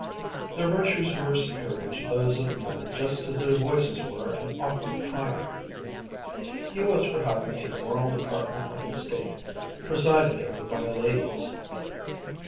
Their virtues were superior to those of men just as their voices were an octave higher. He was for having a Moral Department of the State presided over by ladies.